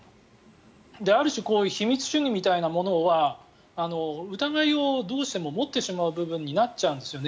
ある種秘密主義みたいなものは疑いをどうしても持ってしまう部分になっちゃうんですよね。